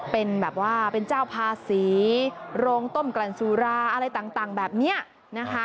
เป็นเจ้าภาษีโรงต้มกลั่นสุราอะไรต่างแบบนี้นะคะ